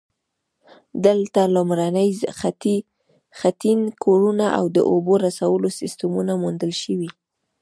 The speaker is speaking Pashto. دلته لومړني خټین کورونه او د اوبو رسولو سیستمونه موندل شوي